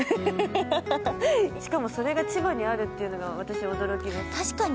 しかもそれが千葉にあるっていうのが私、驚きます。